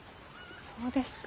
そうですか。